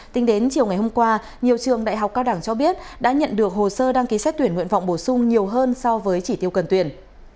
tính đến chiều ngày hôm qua nhiều trường đại học cao đẳng cho biết đã nhận được hồ sơ đăng ký xét tuyển nguyện vọng bổ sung nhiều hơn so với chỉ tiêu cần tuyển